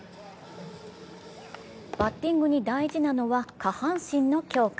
バッティングに大事なのは下半身の強化。